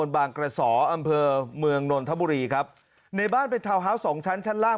บางกระสออำเภอเมืองนนทบุรีครับในบ้านเป็นทาวน์ฮาวส์สองชั้นชั้นล่าง